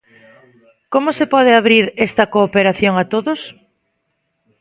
Como se pode abrir esta cooperación a todos?